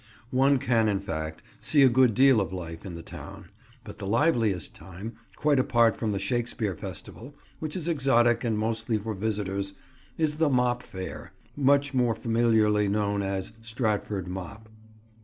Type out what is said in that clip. One can, in fact, see a good deal of life in the town, but the liveliest time—quite apart from the Shakespeare Festival, which is exotic and mostly for visitors—is the Mop Fair, much more familiarly known as "Stratford Mop."